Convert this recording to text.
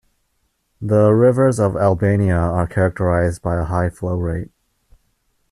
The rivers of Albania are characterized by a high flow rate.